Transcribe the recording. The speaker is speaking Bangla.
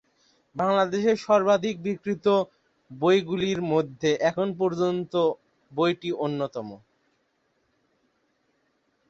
বাংলাদেশের সর্বাধিক বিক্রিত বইগুলির মধ্যে এখন পর্যন্ত বইটি অন্যতম।